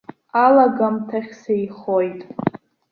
Алагамҭахь сеихоит.